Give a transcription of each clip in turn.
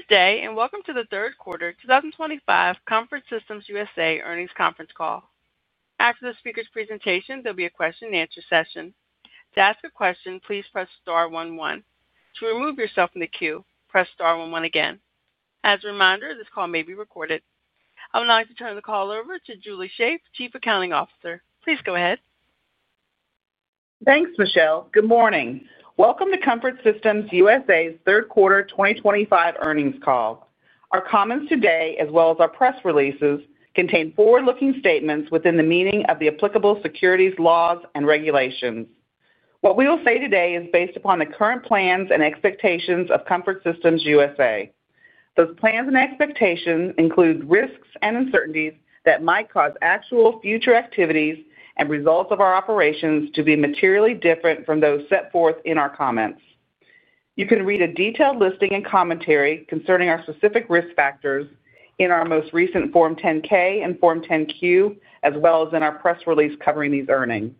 Good day and welcome to the third quarter 2025 Comfort Systems USA earnings conference call. After the speaker's presentation, there will be a question and answer session. To ask a question, please press star one one. To remove yourself from the queue, press star one one again. As a reminder, this call may be recorded. I would now like to turn the call over to Julie Shaeff, Chief Accounting Officer. Please go ahead. Thanks, Michelle. Good morning. Welcome to Comfort Systems USA's third quarter 2025 earnings call. Our comments today, as well as our press releases, contain forward-looking statements within the meaning of the applicable securities laws and regulations. What we will say today is based upon the current plans and expectations of Comfort Systems USA. Those plans and expectations include risks and uncertainties that might cause actual future activities and results of our operations to be materially different from those set forth in our comments. You can read a detailed listing and commentary concerning our specific risk factors in our most recent Form 10-K and Form 10-Q, as well as in our press release covering these earnings.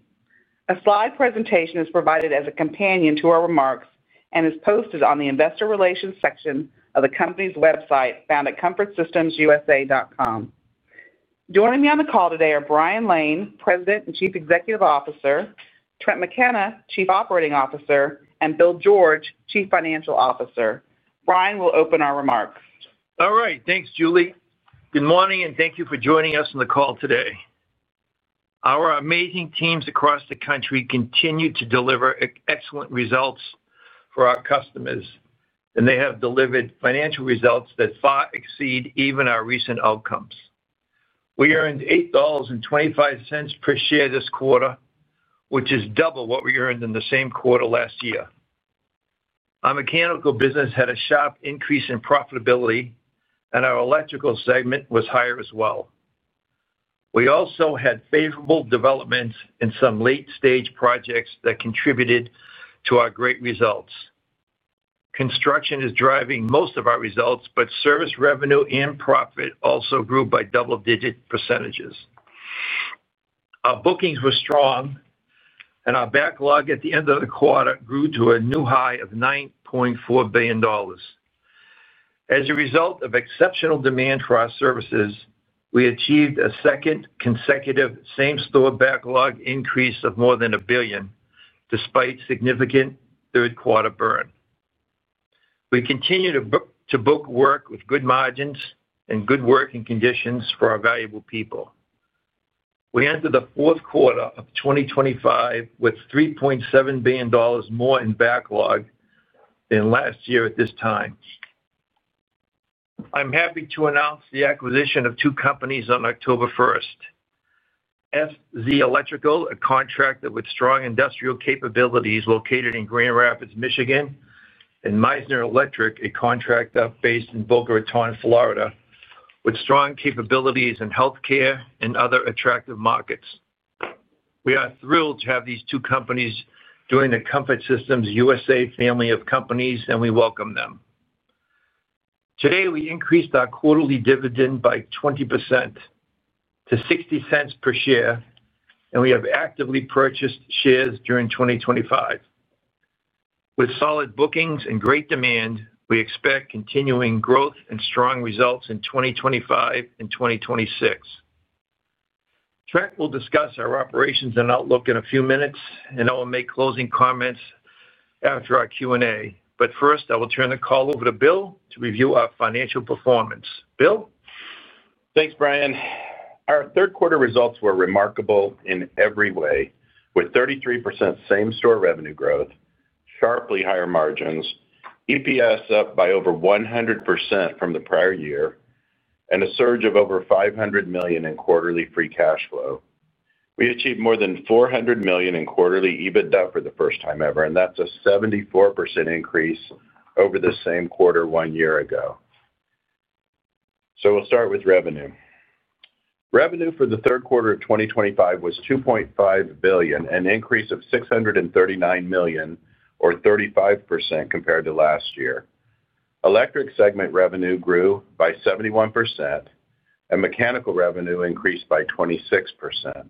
A slide presentation is provided as a companion to our remarks and is posted on the Investor Relations section of the company's website found at comfortsystemsusa.com. Joining me on the call today are Brian Lane, President and Chief Executive Officer, Trent McKenna, Chief Operating Officer, and Bill George, Chief Financial Officer. Brian will open our remarks. All right. Thanks, Julie. Good morning and thank you for joining us on the call today. Our amazing teams across the country continue to deliver excellent results for our customers, and they have delivered financial results that far exceed even our recent outcomes. We earned $8.25 per share this quarter, which is double what we earned in the same quarter last year. Our mechanical business had a sharp increase in profitability, and our electrical segment was higher as well. We also had favorable developments in some late-stage projects that contributed to our great results. Construction is driving most of our results, but service revenue and profit also grew by double-digit percentages. Our bookings were strong, and our backlog at the end of the quarter grew to a new high of $9.4 billion. As a result of exceptional demand for our services, we achieved a second consecutive same-store backlog increase of more than $1 billion, despite significant third-quarter burn. We continue to book work with good margins and good working conditions for our valuable people. We entered the fourth quarter of 2025 with $3.7 billion more in backlog than last year at this time. I'm happy to announce the acquisition of two companies on October 1st: FZ Electrical, a contractor with strong industrial capabilities located in Grand Rapids, Michigan, and Meisner Electric, a contractor based in Boca Raton, Florida, with strong capabilities in healthcare and other attractive markets. We are thrilled to have these two companies join the Comfort Systems USA family of companies, and we welcome them. Today, we increased our quarterly dividend by 20% to $0.60 per share, and we have actively purchased shares during 2025. With solid bookings and great demand, we expect continuing growth and strong results in 2025 and 2026. Trent will discuss our operations and outlook in a few minutes, and I will make closing comments after our Q&A. First, I will turn the call over to Bill to review our financial performance. Bill? Thanks, Brian. Our third-quarter results were remarkable in every way, with 33% same-store revenue growth, sharply higher margins, EPS up by over 100% from the prior year, and a surge of over $500 million in quarterly free cash flow. We achieved more than $400 million in quarterly EBITDA for the first time ever, and that's a 74% increase over the same quarter one year ago. We'll start with revenue. Revenue for the third quarter of 2025 was $2.5 billion, an increase of $639 million, or 35% compared to last year. Electric segment revenue grew by 71%, and mechanical revenue increased by 26%.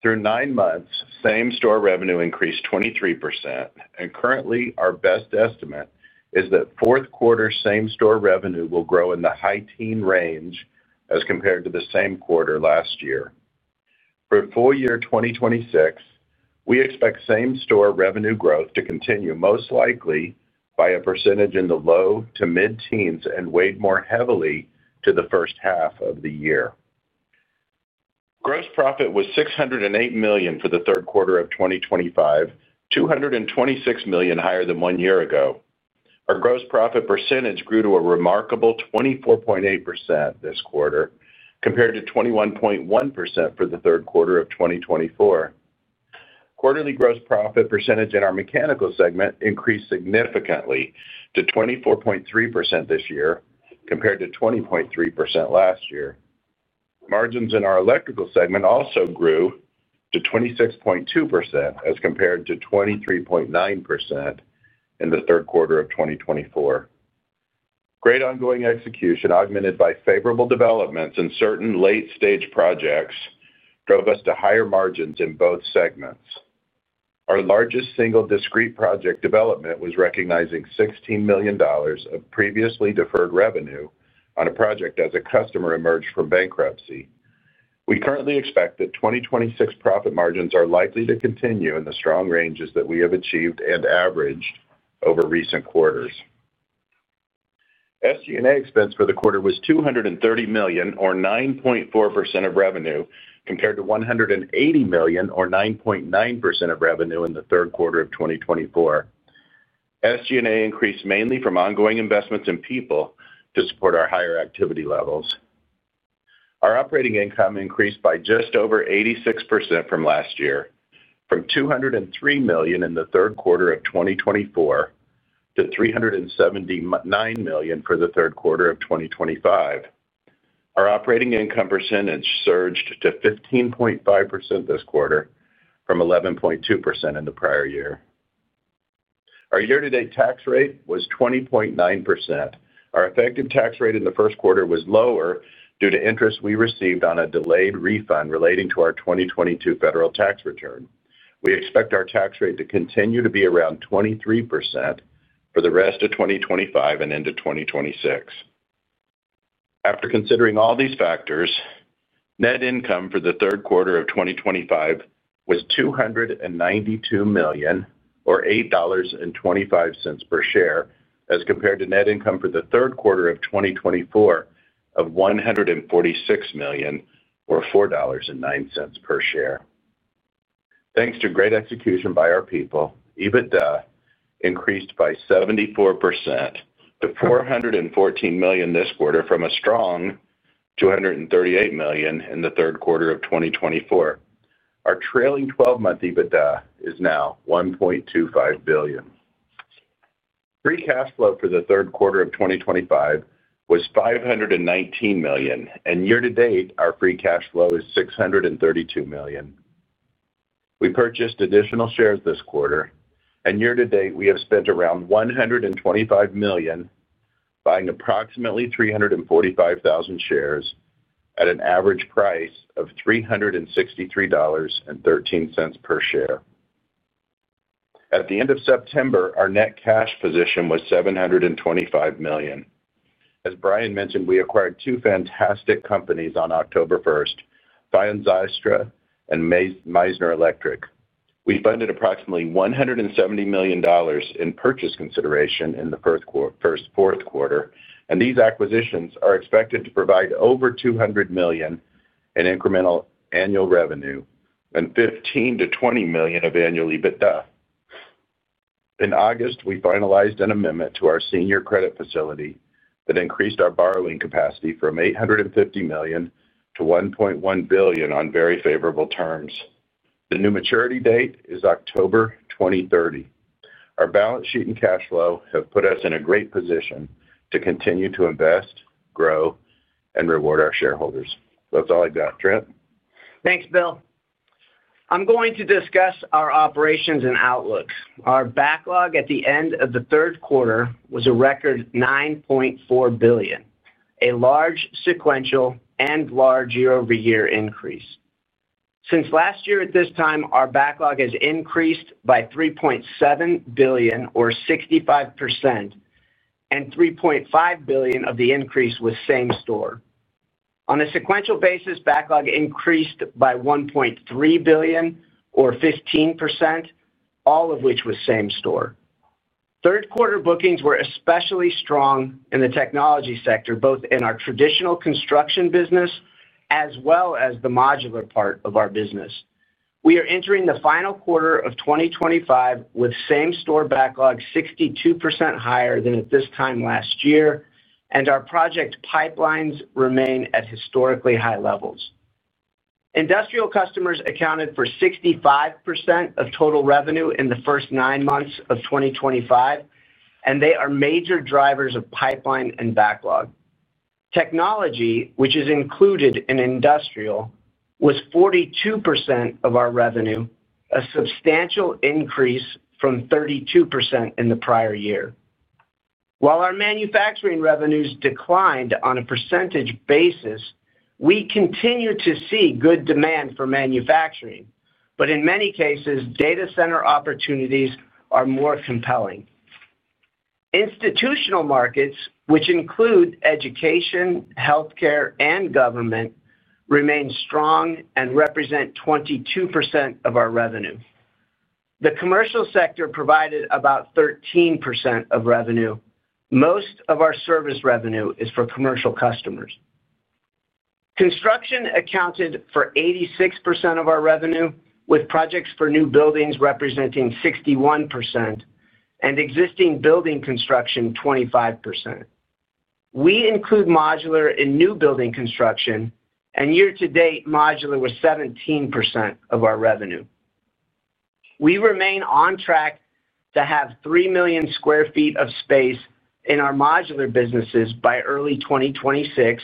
Through nine months, same-store revenue increased 23%, and currently, our best estimate is that fourth quarter same-store revenue will grow in the high-teens range as compared to the same quarter last year. For full-year 2026, we expect same-store revenue growth to continue most likely by a percentage in the low to mid-teens and weighted more heavily to the first half of the year. Gross profit was $608 million for the third quarter of 2025, $226 million higher than one year ago. Our gross profit percentage grew to a remarkable 24.8% this quarter compared to 21.1% for the third quarter of 2024. Quarterly gross profit percentage in our mechanical segment increased significantly to 24.3% this year compared to 20.3% last year. Margins in our electrical segment also grew to 26.2% as compared to 23.9% in the third quarter of 2024. Great ongoing execution augmented by favorable developments in certain late-stage projects drove us to higher margins in both segments. Our largest single discrete project development was recognizing $16 million of previously deferred revenue on a project as a customer emerged from bankruptcy. We currently expect that 2026 profit margins are likely to continue in the strong ranges that we have achieved and averaged over recent quarters. SG&A expense for the quarter was $230 million, or 9.4% of revenue, compared to $180 million, or 9.9% of revenue in the third quarter of 2024. SG&A increased mainly from ongoing investments in people to support our higher activity levels. Our operating income increased by just over 86% from last year, from $203 million in the third quarter of 2024 to $379 million for the third quarter of 2025. Our operating income percentage surged to 15.5% this quarter from 11.2% in the prior year. Our year-to-date tax rate was 20.9%. Our effective tax rate in the first quarter was lower due to interest we received on a delayed refund relating to our 2022 federal tax return. We expect our tax rate to continue to be around 23% for the rest of 2025 and into 2026. After considering all these factors, net income for the third quarter of 2025 was $292 million, or $8.25 per share, as compared to net income for the third quarter of 2024 of $146 million, or $4.09 per share. Thanks to great execution by our people, EBITDA increased by 74% to $414 million this quarter from a strong $238 million in the third quarter of 2024. Our trailing 12-month EBITDA is now $1.25 billion. Free cash flow for the third quarter of 2025 was $519 million, and year-to-date, our free cash flow is $632 million. We purchased additional shares this quarter, and year-to-date, we have spent around $125 million, buying approximately 345,000 shares at an average price of $363.13 per share. At the end of September, our net cash position was $725 million. As Brian mentioned, we acquired two fantastic companies on October 1st, Feyen Zylstra and Meisner Electric. We funded approximately $170 million in purchase consideration in the first fourth quarter, and these acquisitions are expected to provide over $200 million in incremental annual revenue and $15 million-$20 million of annual EBITDA. In August, we finalized an amendment to our senior credit facility that increased our borrowing capacity from $850 million to $1.1 billion on very favorable terms. The new maturity date is October 2030. Our balance sheet and cash flow have put us in a great position to continue to invest, grow, and reward our shareholders. That's all I've got, Trent. Thanks, Bill. I'm going to discuss our operations and outlooks. Our backlog at the end of the third quarter was a record $9.4 billion, a large sequential and large year-over-year increase. Since last year at this time, our backlog has increased by $3.7 billion, or 65%, and $3.5 billion of the increase was same-store. On a sequential basis, backlog increased by $1.3 billion, or 15%, all of which was same-store. Third quarter bookings were especially strong in the technology sector, both in our traditional construction business as well as the modular part of our business. We are entering the final quarter of 2025 with same-store backlog 62% higher than at this time last year, and our project pipelines remain at historically high levels. Industrial customers accounted for 65% of total revenue in the first nine months of 2025, and they are major drivers of pipeline and backlog. Technology, which is included in industrial, was 42% of our revenue, a substantial increase from 32% in the prior year. While our manufacturing revenues declined on a percentage basis, we continue to see good demand for manufacturing, but in many cases, data center opportunities are more compelling. Institutional markets, which include education, healthcare, and government, remain strong and represent 22% of our revenue. The commercial sector provided about 13% of revenue. Most of our service revenue is for commercial customers. Construction accounted for 86% of our revenue, with projects for new buildings representing 61% and existing building construction 25%. We include modular in new building construction, and year-to-date, modular was 17% of our revenue. We remain on track to have 3 million sq ft of space in our modular businesses by early 2026,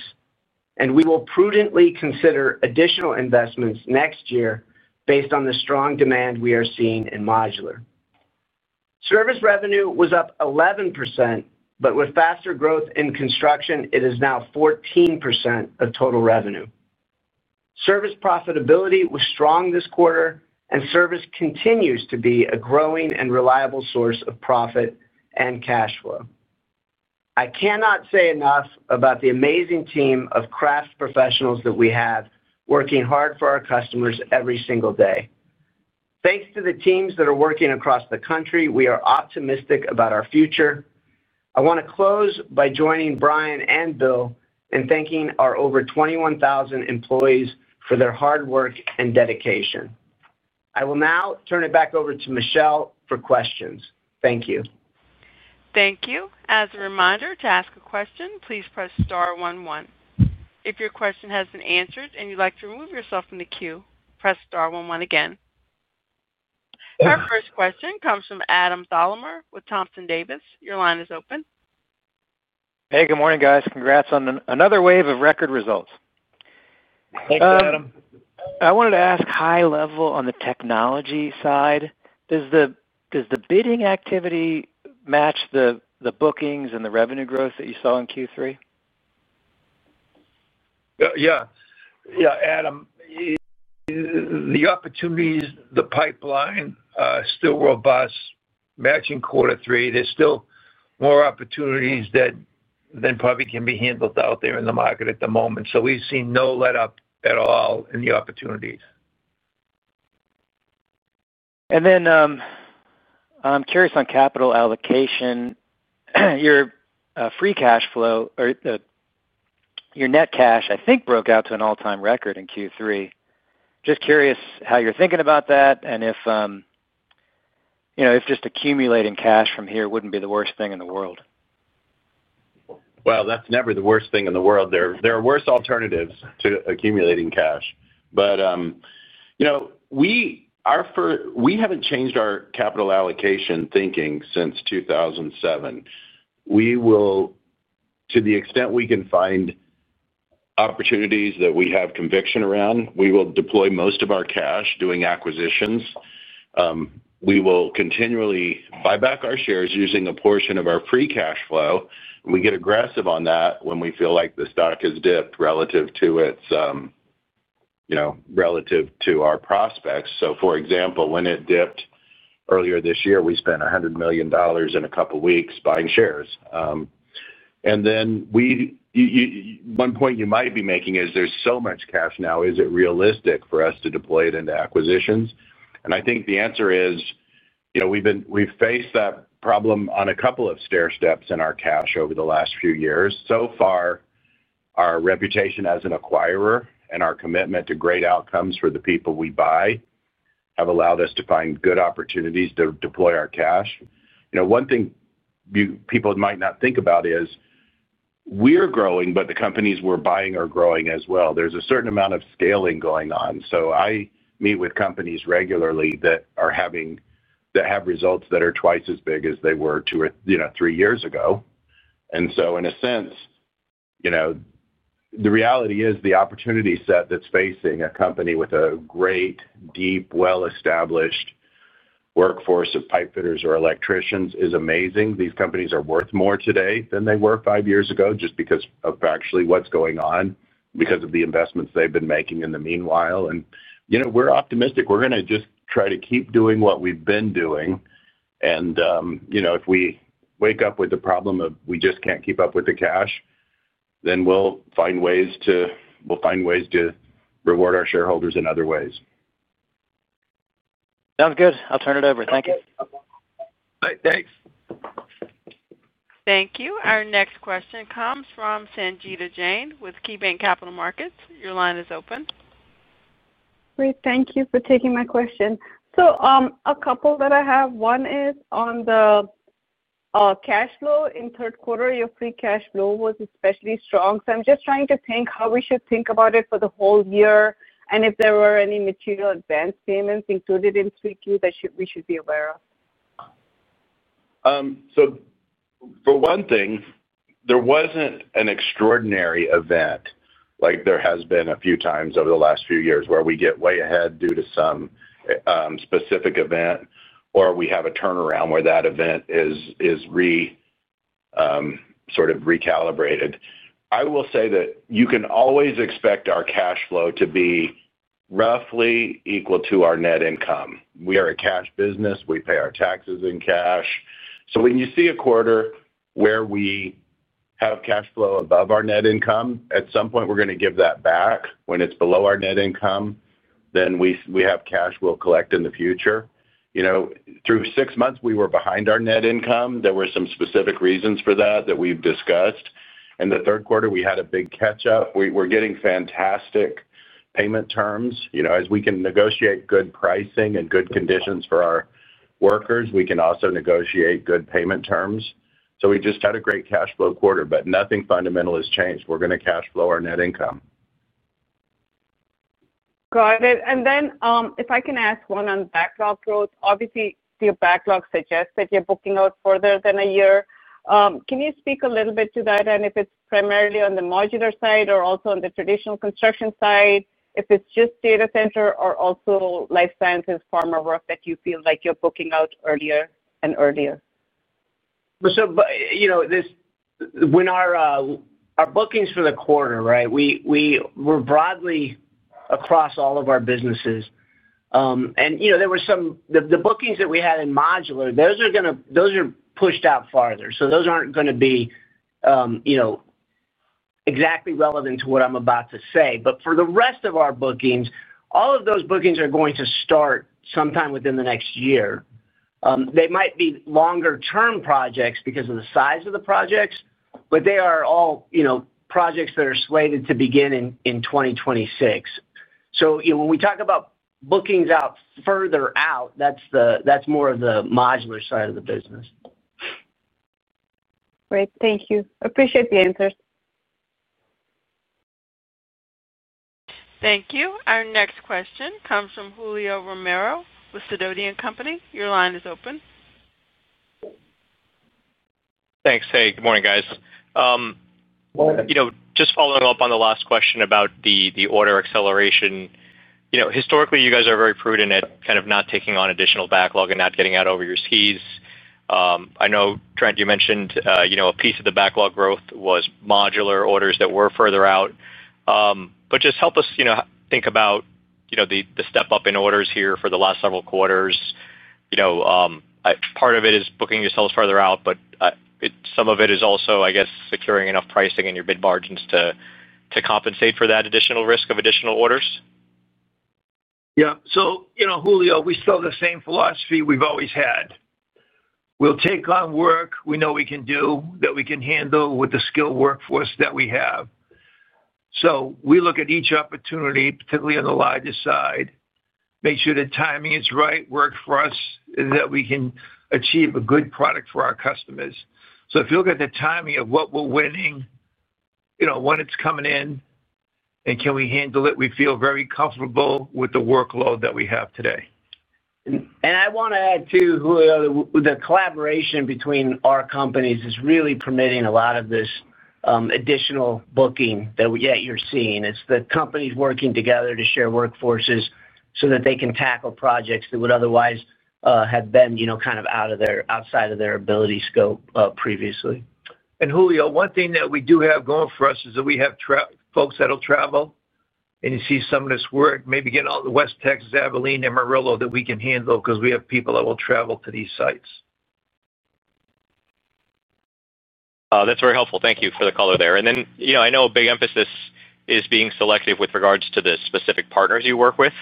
and we will prudently consider additional investments next year based on the strong demand we are seeing in modular. Service revenue was up 11%, but with faster growth in construction, it is now 14% of total revenue. Service profitability was strong this quarter, and service continues to be a growing and reliable source of profit and cash flow. I cannot say enough about the amazing team of craft professionals that we have working hard for our customers every single day. Thanks to the teams that are working across the country, we are optimistic about our future. I want to close by joining Brian and Bill in thanking our over 21,000 employees for their hard work and dedication. I will now turn it back over to Michelle for questions. Thank you. Thank you. As a reminder, to ask a question, please press star one one. If your question has been answered and you'd like to remove yourself from the queue, press star one one again. Our first question comes from Adam Thalhimer with Thompson Davis. Your line is open. Hey, good morning, guys. Congrats on another wave of record results. Thanks, Adam. I wanted to ask high level on the technology side. Does the bidding activity match the bookings and the revenue growth that you saw in Q3? Yeah, Adam, the opportunities, the pipeline is still robust matching quarter three. There's still more opportunities than probably can be handled out there in the market at the moment. We've seen no let up at all in the opportunities. I'm curious on capital allocation. Your free cash flow or your net cash, I think, broke out to an all-time record in Q3. Just curious how you're thinking about that and if, you know, just accumulating cash from here wouldn't be the worst thing in the world. There are worse alternatives to accumulating cash. You know, we haven't changed our capital allocation thinking since 2007. We will, to the extent we can find opportunities that we have conviction around, deploy most of our cash doing acquisitions. We will continually buy back our shares using a portion of our free cash flow. We get aggressive on that when we feel like the stock has dipped relative to our prospects. For example, when it dipped earlier this year, we spent $100 million in a couple of weeks buying shares. One point you might be making is there's so much cash now, is it realistic for us to deploy it into acquisitions? I think the answer is, you know, we've faced that problem on a couple of stairsteps in our cash over the last few years. So far, our reputation as an acquirer and our commitment to great outcomes for the people we buy have allowed us to find good opportunities to deploy our cash. One thing people might not think about is we're growing, but the companies we're buying are growing as well. There's a certain amount of scaling going on. I meet with companies regularly that are having results that are twice as big as they were two or three years ago. In a sense, the reality is the opportunity set that's facing a company with a great, deep, well-established workforce of pipefitters or electricians is amazing. These companies are worth more today than they were five years ago just because of actually what's going on, because of the investments they've been making in the meanwhile. You know, we're optimistic. We're going to just try to keep doing what we've been doing. If we wake up with the problem of we just can't keep up with the cash, then we'll find ways to reward our shareholders in other ways. Sounds good. I'll turn it over. Thank you. Thanks. Thank you. Our next question comes from Sangita Jain with KeyBanc Capital Markets. Your line is open. Great. Thank you for taking my question. A couple that I have, one is on the cash flow in third quarter. Your free cash flow was especially strong. I'm just trying to think how we should think about it for the whole year and if there were any material advance payments included in 3Q that we should be aware of. For one thing, there wasn't an extraordinary event like there has been a few times over the last few years where we get way ahead due to some specific event or we have a turnaround where that event is sort of recalibrated. I will say that you can always expect our cash flow to be roughly equal to our net income. We are a cash business. We pay our taxes in cash. When you see a quarter where we have cash flow above our net income, at some point we're going to give that back. When it's below our net income, then we have cash we'll collect in the future. Through six months, we were behind our net income. There were some specific reasons for that that we've discussed. In the third quarter, we had a big catch-up. We're getting fantastic payment terms. As we can negotiate good pricing and good conditions for our workers, we can also negotiate good payment terms. We just had a great cash flow quarter, but nothing fundamental has changed. We're going to cash flow our net income. Got it. If I can ask one on backlog growth, obviously your backlog suggests that you're booking out further than a year. Can you speak a little bit to that, and if it's primarily on the modular side or also on the traditional construction side, if it's just data center or also life sciences, pharma work that you feel like you're booking out earlier and earlier? When our bookings for the quarter were broadly across all of our businesses, there were some of the bookings that we had in modular, those are going to push out farther. Those aren't going to be exactly relevant to what I'm about to say. For the rest of our bookings, all of those bookings are going to start sometime within the next year. They might be longer-term projects because of the size of the projects, but they are all projects that are slated to begin in 2026. When we talk about bookings out further out, that's more of the modular side of the business. Great, thank you. Appreciate the answers. Thank you. Our next question comes from Julio Romero with Sidoti & Company. Your line is open. Thanks. Hey, good morning, guys. Just following up on the last question about the order acceleration. Historically, you guys are very prudent at kind of not taking on additional backlog and not getting out over your skis. I know, Trent, you mentioned a piece of the backlog growth was modular orders that were further out. Just help us think about the step-up in orders here for the last several quarters. Part of it is booking yourselves further out, but some of it is also, I guess, securing enough pricing in your bid margins to compensate for that additional risk of additional orders. Yeah. Julio, we sell the same philosophy we've always had. We'll take on work we know we can do, that we can handle with the skilled workforce that we have. We look at each opportunity, particularly on the larger side, make sure the timing is right, works for us, and that we can achieve a good product for our customers. If you look at the timing of what we're winning, when it's coming in, and can we handle it, we feel very comfortable with the workload that we have today. I want to add too, Julio, the collaboration between our companies is really permitting a lot of this additional booking that you're seeing. It's the companies working together to share workforces so that they can tackle projects that would otherwise have been, you know, kind of outside of their ability scope previously. One thing that we do have going for us is that we have folks that will travel, and you see some of this work maybe getting all the West Texas, Abilene, and Amarillo that we can handle because we have people that will travel to these sites. That's very helpful. Thank you for the color there. I know a big emphasis is being selective with regards to the specific partners you work with.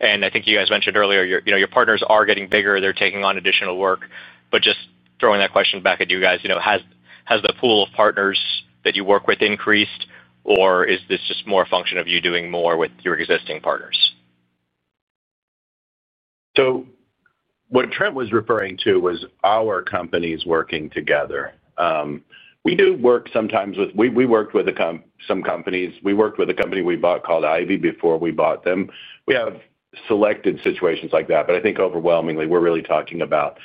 I think you guys mentioned earlier your partners are getting bigger, they're taking on additional work. Just throwing that question back at you guys, has the pool of partners that you work with increased, or is this just more a function of you doing more with your existing partners? What Trent was referring to was our companies working together. We do work sometimes with, we worked with some companies, we worked with a company we bought called Ivy before we bought them. We have selected situations like that. I think overwhelmingly, we're really talking about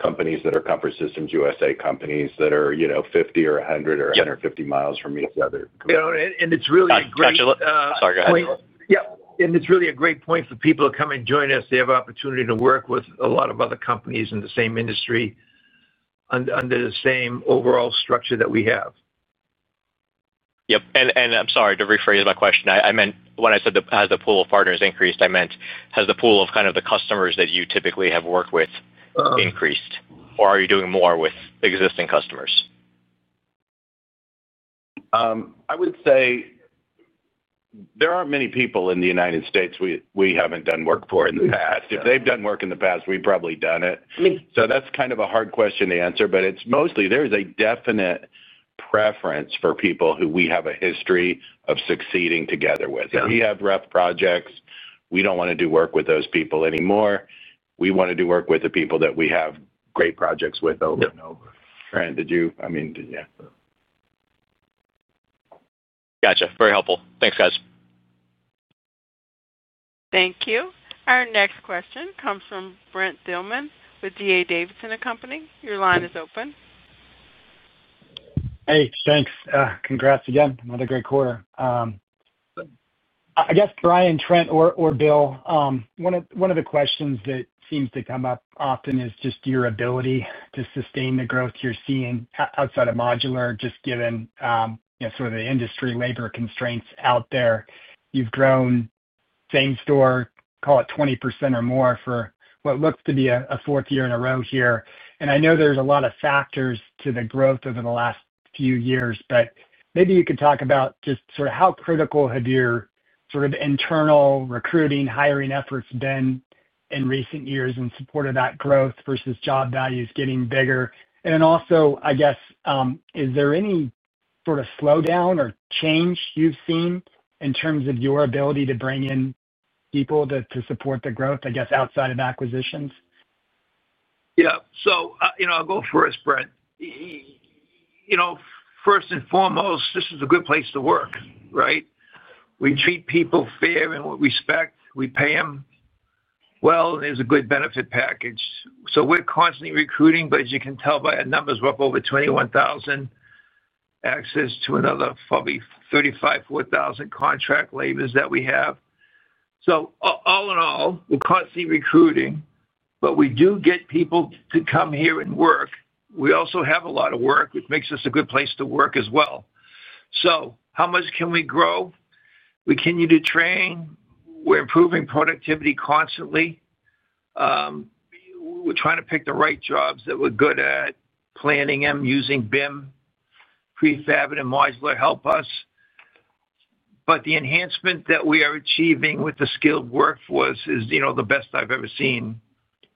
companies that are Comfort Systems USA companies that are, you know, 50 or 100 or 150 miles from each other. It is really great. Sorry, go ahead. It is really a great point for people to come and join us. They have an opportunity to work with a lot of other companies in the same industry under the same overall structure that we have. I'm sorry to rephrase my question. I meant when I said has the pool of partners increased, I meant has the pool of kind of the customers that you typically have worked with increased, or are you doing more with existing customers? I would say there aren't many people in the United States we haven't done work for in the past. If they've done work in the past, we've probably done it. That's kind of a hard question to answer, but it's mostly there's a definite preference for people who we have a history of succeeding together with. If we have rough projects, we don't want to do work with those people anymore. We want to do work with the people that we have great projects with over and over. Trent, did you, I mean, yeah. Gotcha. Very helpful. Thanks, guys. Thank you. Our next question comes from Brent Thielman with D.A. Davidson & Company. Your line is open. Hey, thanks. Congrats again. Another great quarter. I guess, Brian, Trent, or Bill, one of the questions that seems to come up often is just your ability to sustain the growth you're seeing outside of modular, just given sort of the industry labor constraints out there. You've grown same-store, call it 20% or more for what looks to be a fourth year in a row here. I know there's a lot of factors to the growth over the last few years, but maybe you could talk about just sort of how critical have your sort of internal recruiting, hiring efforts been in recent years in support of that growth versus job values getting bigger? Also, I guess, is there any sort of slowdown or change you've seen in terms of your ability to bring in people to support the growth, I guess, outside of acquisitions? Yeah. I'll go first, Brent. First and foremost, this is a good place to work, right? We treat people fair and with respect. We pay them well, and there's a good benefit package. We're constantly recruiting, but as you can tell by our numbers, roughly over 21,000, access to another probably 35,000, 40,000 contract laborers that we have. All in all, we're constantly recruiting, but we do get people to come here and work. We also have a lot of work, which makes us a good place to work as well. How much can we grow? We continue to train. We're improving productivity constantly. We're trying to pick the right jobs that we're good at, planning them, using BIM, prefab, and modular help us. The enhancement that we are achieving with the skilled workforce is the best I've ever seen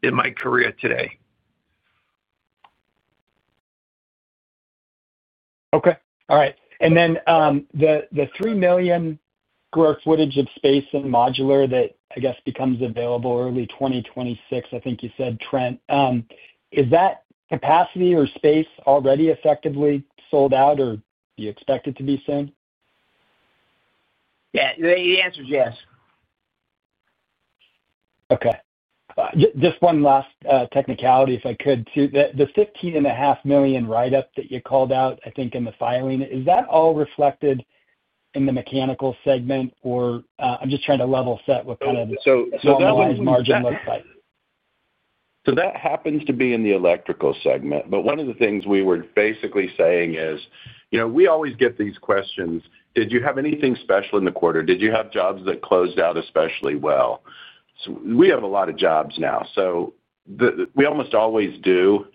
in my career today. All right. The 3 million sq ft of space in modular that, I guess, becomes available early 2026, I think you said, Trent, is that capacity or space already effectively sold out or do you expect it to be soon? Yeah, the answer is yes. Okay. Just one last technicality if I could, too. The $15.5 million write-up that you called out, I think, in the filing, is that all reflected in the mechanical segment? I'm just trying to level set what kind of the margin looks like. That happens to be in the electrical segment. One of the things we were basically saying is, you know, we always get these questions. Did you have anything special in the quarter? Did you have jobs that closed out especially well? We have a lot of jobs now, so we almost always do.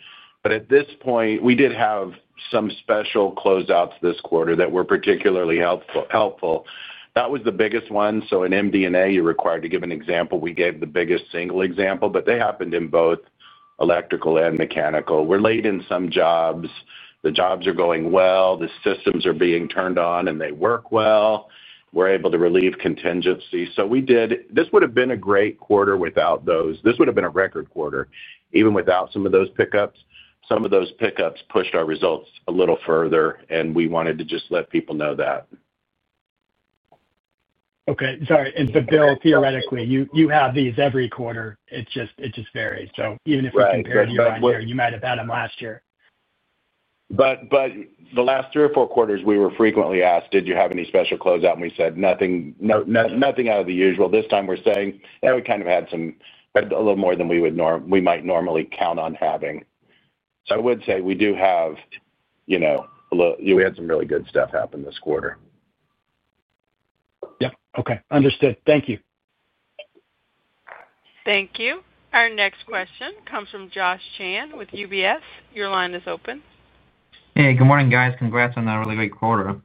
At this point, we did have some special closeouts this quarter that were particularly helpful. That was the biggest one. In MD&A, you're required to give an example. We gave the biggest single example, but they happened in both electrical and mechanical. We're late in some jobs. The jobs are going well. The systems are being turned on and they work well. We're able to relieve contingency, so we did. This would have been a great quarter without those. This would have been a record quarter, even without some of those pickups. Some of those pickups pushed our results a little further, and we wanted to just let people know that. Okay. Sorry. Bill, theoretically, you have these every quarter. It just varies. Even if we compare to your last year, you might have had them last year. The last three or four quarters, we were frequently asked, "Did you have any special closeout?" We said nothing, nothing out of the usual. This time we're saying that we kind of had some, but a little more than we would normally count on having. I would say we do have, you know, a little, we had some really good stuff happen this quarter. Yep. Okay, understood. Thank you. Thank you. Our next question comes from Josh Chan with UBS. Your line is open. Hey, good morning, guys. Congrats on a really great quarter.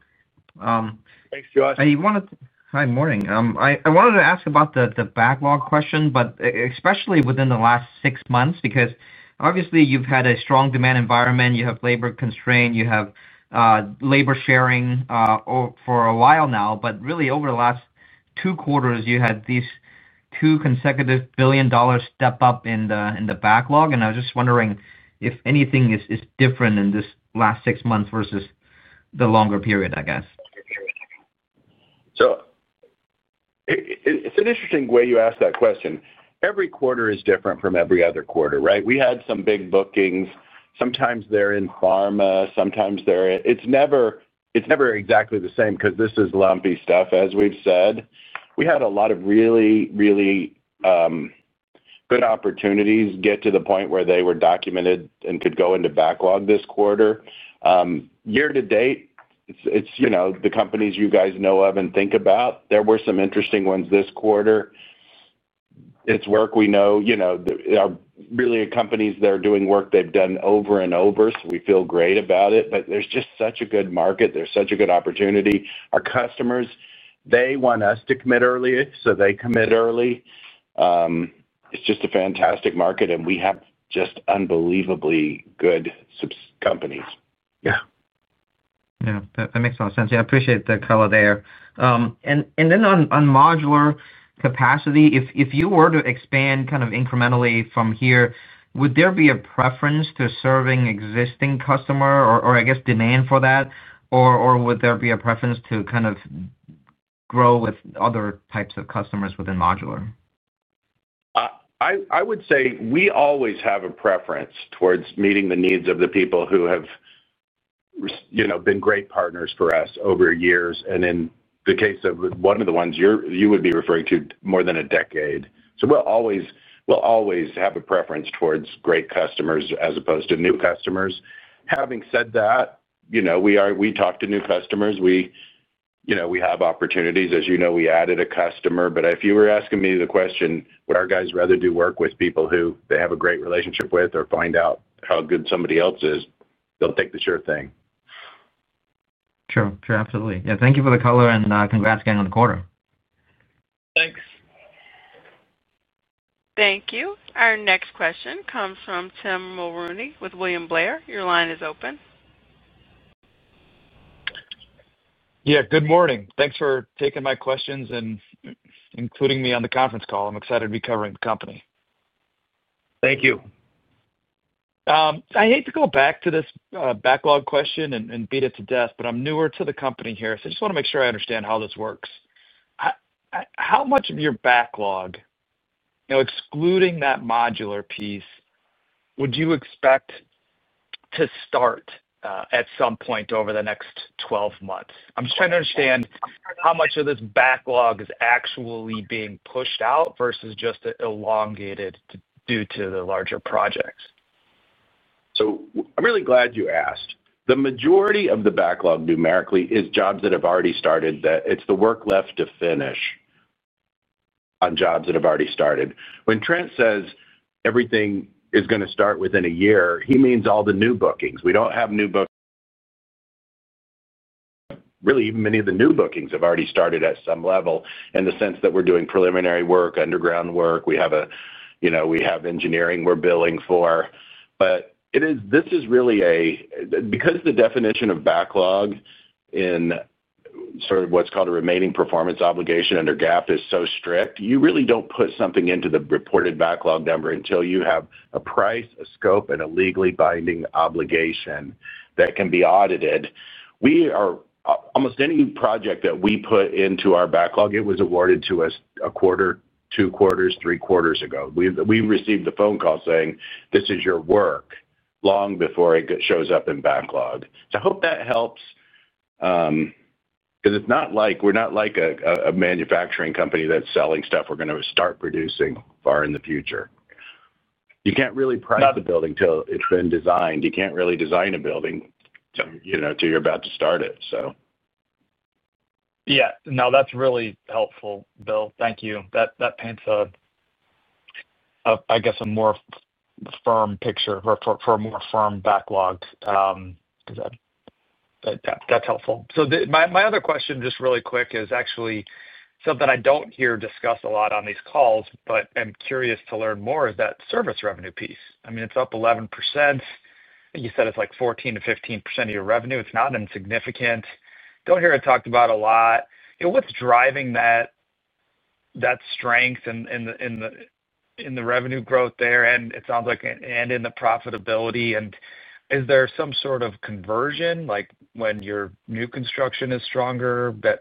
Thanks, Josh. Morning. I wanted to ask about the backlog question, especially within the last six months, because obviously you've had a strong demand environment. You have labor constraint. You have labor sharing for a while now. Over the last two quarters, you had these two consecutive $1 billion step up in the backlog. I was just wondering if anything is different in this last six months versus the longer period, I guess. It's an interesting way you ask that question. Every quarter is different from every other quarter, right? We had some big bookings. Sometimes they're in pharma. Sometimes they're in, it's never exactly the same because this is lumpy stuff. As we've said, we had a lot of really, really good opportunities get to the point where they were documented and could go into backlog this quarter. Year to date, it's, you know, the companies you guys know of and think about, there were some interesting ones this quarter. It's work we know, you know, there are really companies that are doing work they've done over and over. We feel great about it. There's just such a good market. There's such a good opportunity. Our customers, they want us to commit early, so they committed early. It's just a fantastic market, and we have just unbelievably good companies. Yeah, that makes a lot of sense. I appreciate the color there. On modular capacity, if you were to expand kind of incrementally from here, would there be a preference to serving existing customers, or, I guess, demand for that? Would there be a preference to kind of grow with other types of customers within modular? I would say we always have a preference towards meeting the needs of the people who have been great partners for us over years. In the case of one of the ones you would be referring to, more than a decade. We will always have a preference towards great customers as opposed to new customers. Having said that, we talk to new customers, we have opportunities. As you know, we added a customer. If you were asking me the question, would our guys rather do work with people who they have a great relationship with or find out how good somebody else is, they'll take the sure thing. Sure. Absolutely. Thank you for the color and congrats again on the quarter. Thanks. Thank you. Our next question comes from Tim Mulrooney with William Blair. Your line is open. Yeah. Good morning. Thanks for taking my questions and including me on the conference call. I'm excited to be covering the company. Thank you. I hate to go back to this backlog question and beat it to death, but I'm newer to the company here. I just want to make sure I understand how this works. How much of your backlog, you know, excluding that modular piece, would you expect to start at some point over the next 12 months? I'm just trying to understand how much of this backlog is actually being pushed out versus just elongated due to the larger projects. I'm really glad you asked. The majority of the backlog numerically is jobs that have already started. It's the work left to finish on jobs that have already started. When Trent says everything is going to start within a year, he means all the new bookings. We don't have new bookings. Really, even many of the new bookings have already started at some level in the sense that we're doing preliminary work, underground work. We have engineering we're billing for. This is really a, because the definition of backlog in sort of what's called a remaining performance obligation under GAAP is so strict, you really don't put something into the reported backlog number until you have a price, a scope, and a legally binding obligation that can be audited. Almost any project that we put into our backlog, it was awarded to us a quarter, two quarters, three quarters ago. We received a phone call saying, "This is your work," long before it shows up in backlog. I hope that helps because it's not like, we're not like a manufacturing company that's selling stuff we're going to start producing far in the future. You can't really price the building until it's been designed. You can't really design a building until you're about to start it. Yeah. No, that's really helpful, Bill. Thank you. That paints a, I guess, a more firm picture for a more firm backlog. That's helpful. My other question, just really quick, is actually something I don't hear discussed a lot on these calls, but I'm curious to learn more. Is that service revenue piece. I mean, it's up 11%. You said it's like 14%-15% of your revenue. It's not insignificant. Don't hear it talked about a lot. You know, what's driving that strength in the revenue growth there? It sounds like in the profitability. Is there some sort of conversion, like when your new construction is stronger, that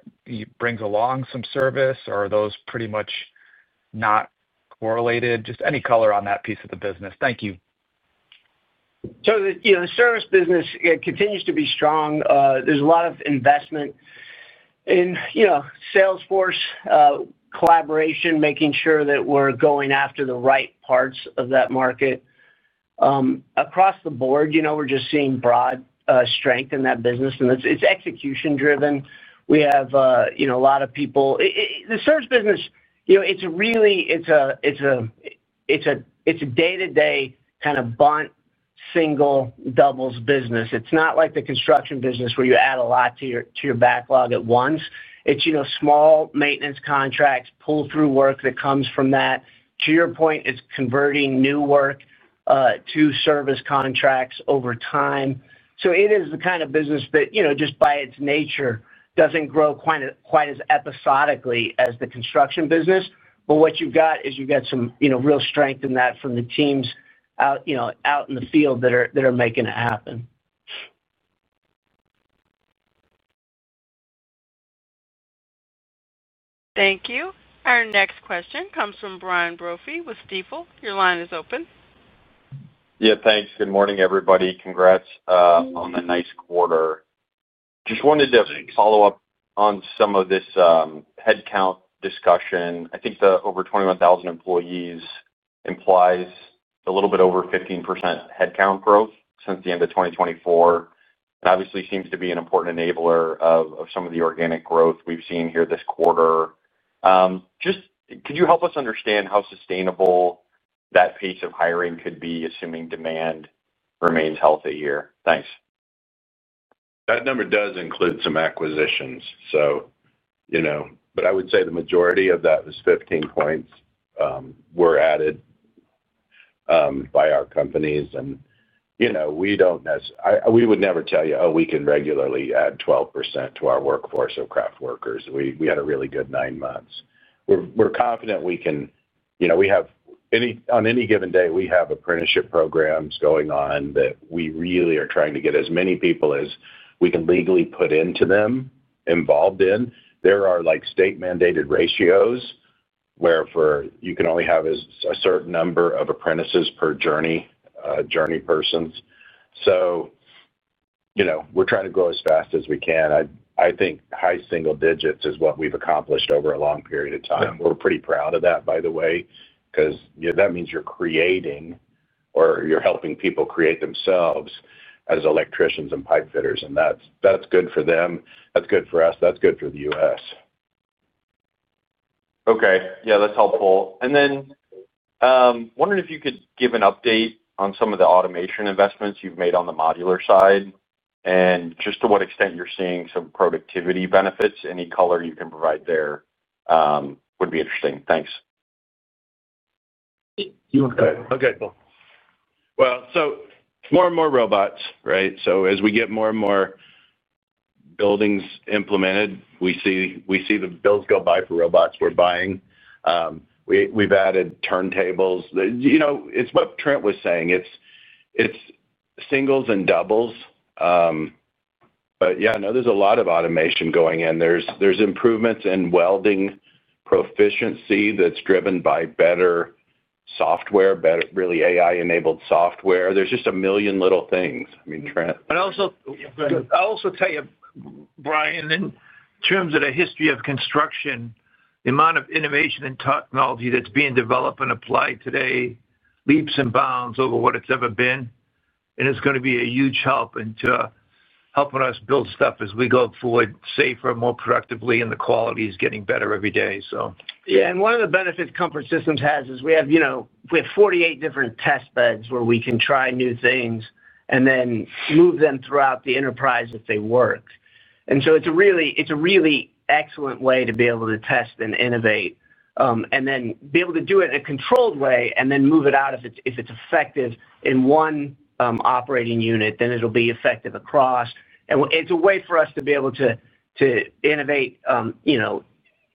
brings along some service, or are those pretty much not correlated? Just any color on that piece of the business. Thank you. The service business continues to be strong. There's a lot of investment in Salesforce collaboration, making sure that we're going after the right parts of that market. Across the board, we're just seeing broad strength in that business, and it's execution-driven. We have a lot of people. The service business is a really day-to-day kind of bunt, single, doubles business. It's not like the construction business where you add a lot to your backlog at once. It's small maintenance contracts, pull-through work that comes from that. To your point, it's converting new work to service contracts over time. It is the kind of business that, just by its nature, doesn't grow quite as episodically as the construction business. What you've got is some real strength in that from the teams out in the field that are making it happen. Thank you. Our next question comes from Brian Brophy with Stifel. Your line is open. Yeah, thanks. Good morning, everybody. Congrats on a nice quarter. Just wanted to follow up on some of this headcount discussion. I think the over 21,000 employees implies a little bit over 15% headcount growth since the end of 2024. It obviously seems to be an important enabler of some of the organic growth we've seen here this quarter. Just could you help us understand how sustainable that pace of hiring could be, assuming demand remains healthy here? Thanks. That number does include some acquisitions, but I would say the majority of that was 15 points were added by our companies. We don't necessarily, we would never tell you, "Oh, we can regularly add 12% to our workforce of craft workers." We had a really good nine months. We're confident we can, on any given day, we have apprenticeship programs going on that we really are trying to get as many people as we can legally put into them involved in. There are state-mandated ratios where you can only have a certain number of apprentices per journey person. We're trying to grow as fast as we can. I think high single digits is what we've accomplished over a long period of time. We're pretty proud of that, by the way, because that means you're creating or you're helping people create themselves as electricians and pipefitters. That's good for them. That's good for us. That's good for the U.S. Okay, that's helpful. I'm wondering if you could give an update on some of the automation investments you've made on the modular side and just to what extent you're seeing some productivity benefits. Any color you can provide there would be interesting. Thanks. Okay, cool. More and more robots, right? As we get more and more buildings implemented, we see the bills go by for robots we're buying. We've added turntables. You know, it's what Trent was saying. It's singles and doubles. Yeah, there's a lot of automation going in. There are improvements in welding proficiency that's driven by better software, really AI-enabled software. There are just a million little things. I mean, Trent. I'll also tell you, Brian, in terms of the history of construction, the amount of innovation and technology that's being developed and applied today is leaps and bounds over what it's ever been. It's going to be a huge help in helping us build stuff as we go forward safer, more productively, and the quality is getting better every day. Yeah. One of the benefits Comfort Systems has is we have 48 different test beds where we can try new things and then move them throughout the enterprise if they work. It is a really excellent way to be able to test and innovate and then be able to do it in a controlled way and then move it out if it's effective in one operating unit, then it'll be effective across. It is a way for us to be able to innovate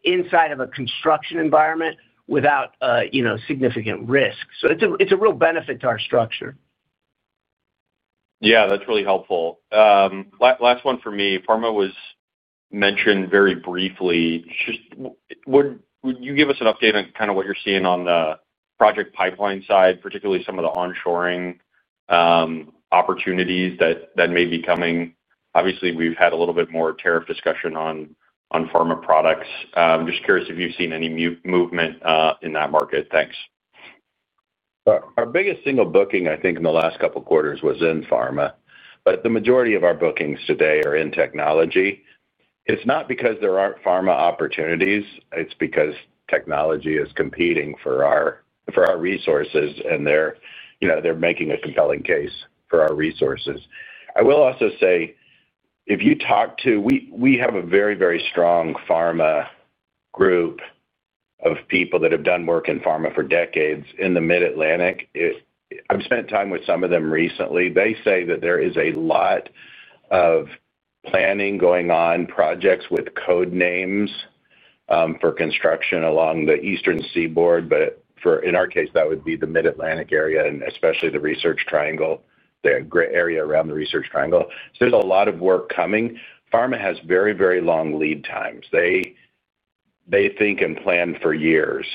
inside of a construction environment without significant risk. It is a real benefit to our structure. Yeah, that's really helpful. Last one for me. Pharma was mentioned very briefly. Would you give us an update on kind of what you're seeing on the project pipeline side, particularly some of the onshoring opportunities that may be coming? Obviously, we've had a little bit more tariff discussion on pharma products. I'm just curious if you've seen any movement in that market. Thanks. Our biggest single booking, I think, in the last couple of quarters was in pharma. The majority of our bookings today are in technology. It's not because there aren't pharma opportunities. It's because technology is competing for our resources and they're making a compelling case for our resources. I will also say, if you talk to, we have a very, very strong pharma group of people that have done work in pharma for decades in the Mid-Atlantic. I've spent time with some of them recently. They say that there is a lot of planning going on, projects with code names for construction along the Eastern Seaboard. In our case, that would be the Mid-Atlantic area and especially the Research Triangle, the area around the Research Triangle. There's a lot of work coming. Pharma has very, very long lead times. They think and plan for years.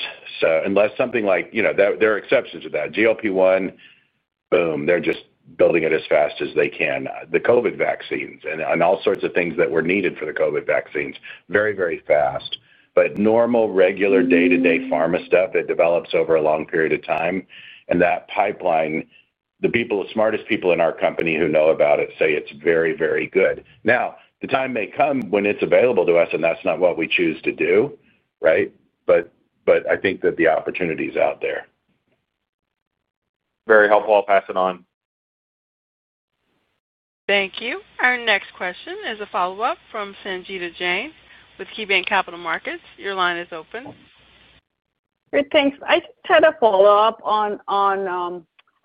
Unless something like, you know, there are exceptions to that. GLP-1, boom, they're just building it as fast as they can. The COVID vaccines and all sorts of things that were needed for the COVID vaccines, very, very fast. Normal, regular day-to-day pharma stuff develops over a long period of time. That pipeline, the people, the smartest people in our company who know about it say it's very, very good. The time may come when it's available to us and that's not what we choose to do, right? I think that the opportunity is out there. Very helpful. I'll pass it on. Thank you. Our next question is a follow-up from Sangita Jain with KeyBanc Capital Markets. Your line is open. Great, thanks. I just had a follow-up on,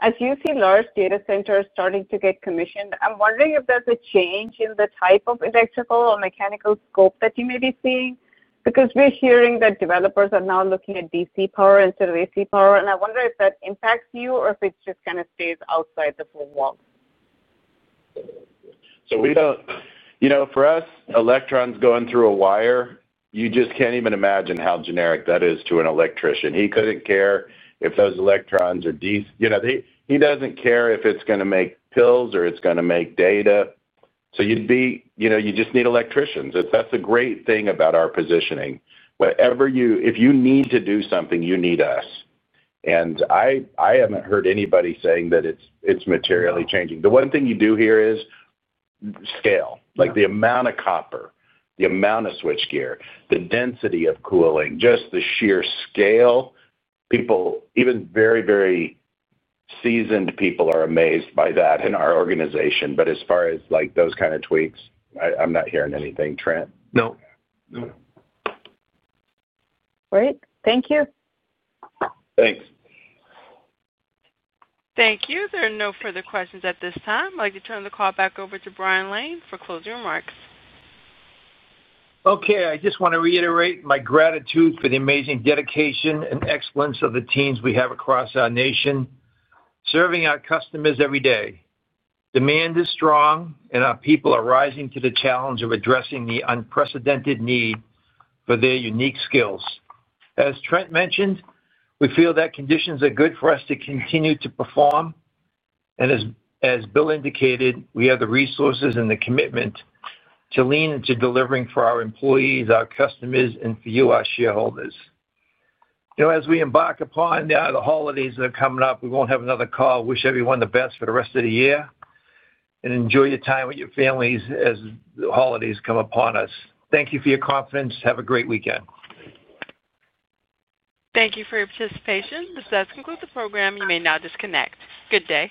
as you see large data centers starting to get commissioned, I'm wondering if there's a change in the type of electrical or mechanical scope that you may be seeing because we're hearing that developers are now looking at DC power instead of AC power. I wonder if that impacts you or if it just kind of stays outside the four walls. We don't, you know, for us, electrons going through a wire, you just can't even imagine how generic that is to an electrician. He couldn't care if those electrons are DC. He doesn't care if it's going to make pills or it's going to make data. You just need electricians. That's a great thing about our positioning. Whatever you, if you need to do something, you need us. I haven't heard anybody saying that it's materially changing. The one thing you do hear is scale, like the amount of copper, the amount of switch gear, the density of cooling, just the sheer scale. People, even very, very seasoned people, are amazed by that in our organization. As far as those kind of tweaks, I'm not hearing anything, Trent. Nope. Nope. Great. Thank you. Thanks. Thank you. There are no further questions at this time. I'd like to turn the call back over to Brian Lane for closing remarks. Okay. I just want to reiterate my gratitude for the amazing dedication and excellence of the teams we have across our nation, serving our customers every day. Demand is strong and our people are rising to the challenge of addressing the unprecedented need for their unique skills. As Trent mentioned, we feel that conditions are good for us to continue to perform. As Bill indicated, we have the resources and the commitment to lean into delivering for our employees, our customers, and for you, our shareholders. You know, as we embark upon the holidays that are coming up, we won't have another call. Wish everyone the best for the rest of the year and enjoy your time with your families as the holidays come upon us. Thank you for your confidence. Have a great weekend. Thank you for your participation. This does conclude the program. You may now disconnect. Good day.